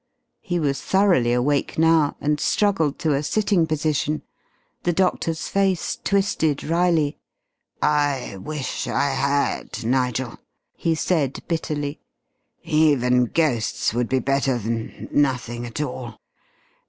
He was thoroughly awake now, and struggled to a sitting position. The doctor's face twisted wryly. "I wish I had, Nigel," he said bitterly. "Even ghosts would be better than nothing at all.